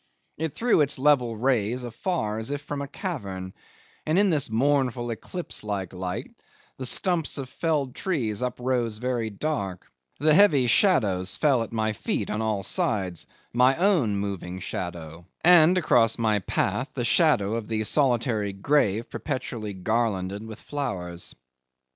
It threw its level rays afar as if from a cavern, and in this mournful eclipse like light the stumps of felled trees uprose very dark, the heavy shadows fell at my feet on all sides, my own moving shadow, and across my path the shadow of the solitary grave perpetually garlanded with flowers.